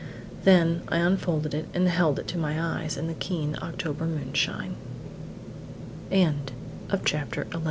Then I unfolded it and held it to my eyes in the keen October moonshine. CHAPTER XII.